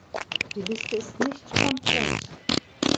Die Liste ist nicht komplett.